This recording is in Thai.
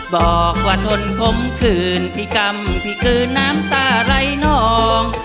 บอกว่าทนคมคืนพิกรรมที่คืนน้ำตาไหลน้อง